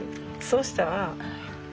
そうしたら。